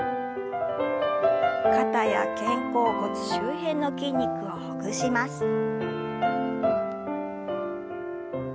肩や肩甲骨周辺の筋肉をほぐします。